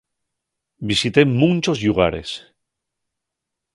Visité munchos llugares.